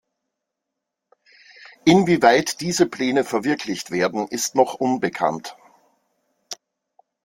Inwieweit diese Pläne verwirklicht werden, ist noch unbekannt.